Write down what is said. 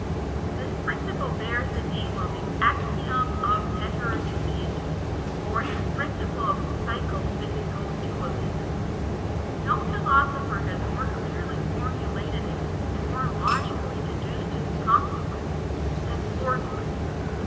This principle bears the name of the axiom of heterogeneity, or the principle of psycho physical dualism. No philosopher has more clearly formulated it, and more logically deduced its consequences, than Flournoy.